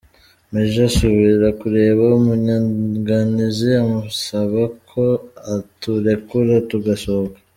Major asubira kureba Munyanganizi, amusaba ko aturekura tugasohoka.